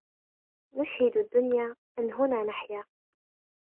نشهد الدنيا أن هنا نحيا